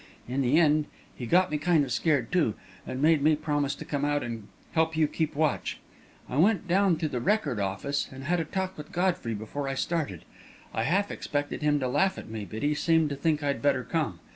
In the end, he got me kind of scared, too, and made me promise to come out and help you keep watch. I went down to the Record office and had a talk with Godfrey before I started. I half expected him to laugh at me; but he seemed to think I'd better come.